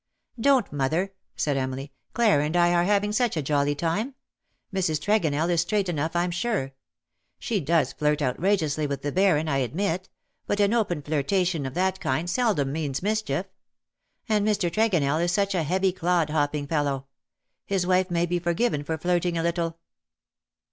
" Don% mother/^ said Emily. " Clara and I are having such a jolly time. Mrs. Tregonell is straight enough, Tm sure. She does flirt outrageously with the Baron, I admit ; but an open flirtation of that kind seldom means mischief; and Mr. Trego nell is such a heavy clod hopping fellow : his wife may be forgiven for flirting a little.